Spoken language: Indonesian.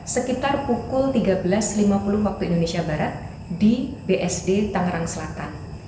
sekitar pukul tiga belas lima puluh waktu indonesia barat di bsd tangerang selatan